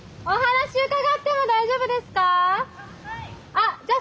あっじゃあ